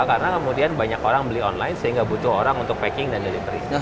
karena kemudian banyak orang beli online sehingga butuh orang untuk packing dan delivery